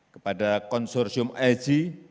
kepada konsorsium lg